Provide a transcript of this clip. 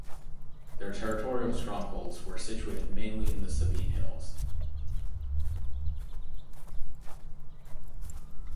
Their territorial strongholds were situated mainly in the Sabine Hills.